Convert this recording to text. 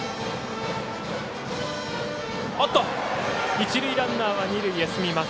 一塁ランナーは二塁へ進みます。